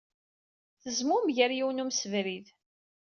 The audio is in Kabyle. Tezmumeg ɣer yiwen n wemsebrid.